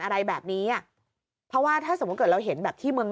อะไรแบบนี้อ่ะเพราะว่าถ้าสมมุติเกิดเราเห็นแบบที่เมือง